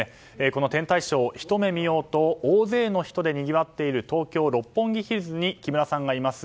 この天体ショー、ひと目見ようと大勢の人でにぎわっている東京・六本木ヒルズに木村さんがいます。